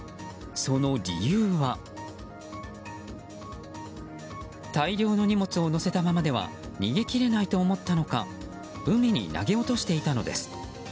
その理由は大量の荷物を載せたままでは逃げ切れないと思ったのか海に投げ落としていたのです。